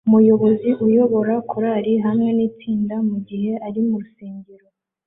Umuyobozi uyobora korari hamwe nitsinda mugihe ari mu rusengero